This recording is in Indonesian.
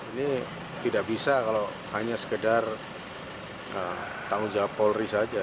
ini tidak bisa kalau hanya sekedar tanggung jawab polri saja